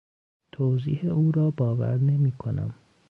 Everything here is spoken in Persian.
توضیح او را باور نمیکنم.